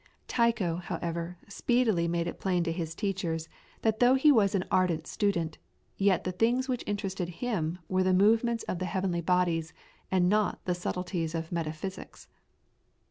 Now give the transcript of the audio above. Tycho, however, speedily made it plain to his teachers that though he was an ardent student, yet the things which interested him were the movements of the heavenly bodies and not the subtleties of metaphysics.